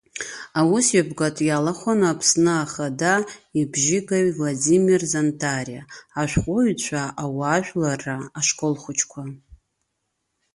Аусмҩаԥгатә иалахәын Аԥсны ахада ибжьагаҩ Владимир Занҭариа, ашәҟәыҩҩцәа, ауаажәларра, ашколхәыҷқәа.